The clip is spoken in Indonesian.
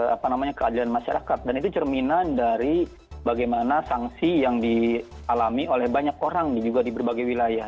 apa namanya keadilan masyarakat dan itu cerminan dari bagaimana sanksi yang dialami oleh banyak orang juga di berbagai wilayah